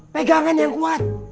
pegangan yang kuat